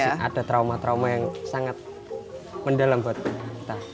masih ada trauma trauma yang sangat mendalam buat kita